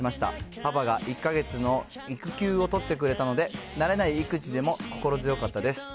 パパが１か月の育休を取ってくれたので、慣れない育児でも心強かったです。